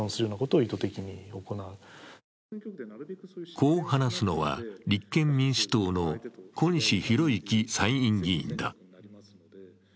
こう話すのは、立憲民主党の小西洋之参院議員だ。